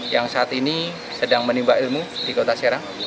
yang saat ini sedang menimba ilmu di kota serang